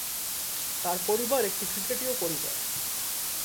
তার পরিবার একটি ক্রিকেটীয় পরিবার।